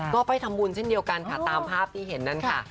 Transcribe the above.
ก็ไปทำบุญเช่นเดียวกันค่ะตามภาพที่เห็นนั่นค่ะ